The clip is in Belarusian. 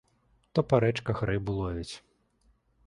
То па рэчках рыбу ловіць.